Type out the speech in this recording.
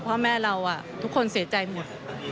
พ่อแม่เราทุกคนเสียใจหมด